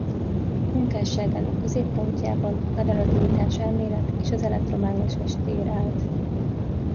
Munkásságának középpontjában a relativitáselmélet és az elektromágneses tér állt.